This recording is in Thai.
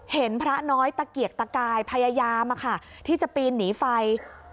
พระน้อยตะเกียกตะกายพยายามที่จะปีนหนีไฟ